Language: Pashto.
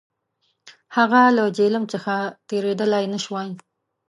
هغه له جیهلم څخه تېرېدلای نه شوای.